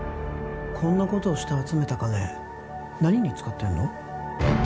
こんなことをして集めた金何に使ってんの？